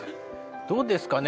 どうですかね？